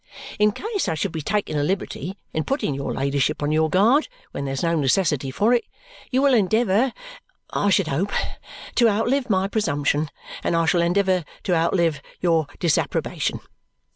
In case I should be taking a liberty in putting your ladyship on your guard when there's no necessity for it, you will endeavour, I should hope, to outlive my presumption, and I shall endeavour to outlive your disapprobation.